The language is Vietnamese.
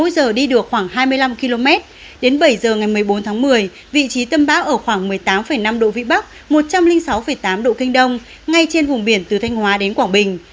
đến bảy h ngày một mươi bốn tháng một mươi vị trí tâm bão ở khoảng một mươi tám năm độ vị bắc một trăm linh sáu tám độ kinh đông ngay trên vùng biển từ thanh hóa đến quảng bình